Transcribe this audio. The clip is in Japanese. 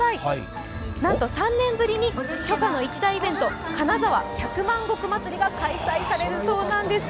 なんと、３年ぶりに初夏の一大イベント、金沢百万石まつりが開催されるそうなんです。